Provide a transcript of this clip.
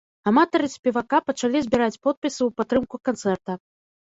Аматары спевака пачалі збіраць подпісы ў падтрымку канцэрта.